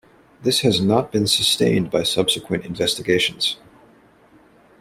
This has not been sustained by subsequent investigations.